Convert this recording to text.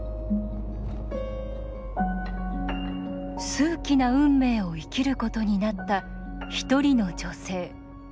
数奇な運命を生きることになった１人の女性。